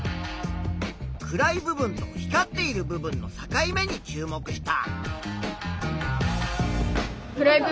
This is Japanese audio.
暗い部分と光っている部分の境目に注目した。